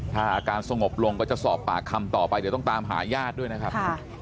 ถ้าอาการสงบลงก็จะสอบปากคำต่อไปเดี๋ยวต้องตามหาญาติด้วยนะครับ